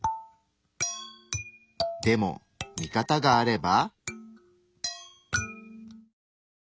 でも見方があれば。